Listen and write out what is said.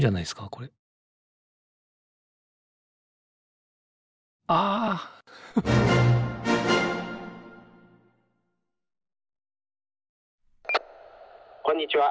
これあこんにちは